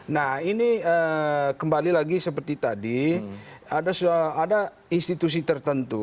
nah ini kembali lagi seperti tadi ada institusi tertentu